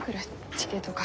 地形とか。